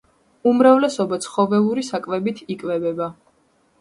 უმრავლესობა ცხოველური საკვებით იკვებება.